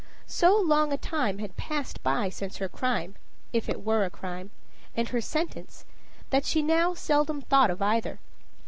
So long a time had passed by since her crime if it were a crime and her sentence, that she now seldom thought of either.